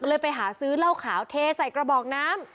เลยไปหาซื้อเหล้าขาวเทใส่กระบอกน้ำ